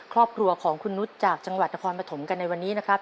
ครอบครัวของคุณนุษย์จากจังหวัดนครปฐมกันในวันนี้นะครับ